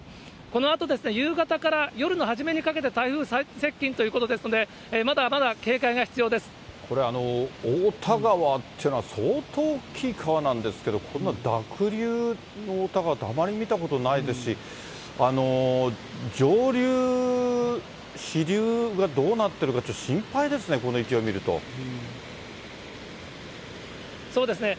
このあと、夕方から夜の初めにかけて、台風最接近ということですので、まだこれ、太田川というのは、相当大きい川なんですけれども、この濁流の太田川ってあまり見たことないですし、上流、支流がどうなってるか、ちょっと心配ですね、そうですね。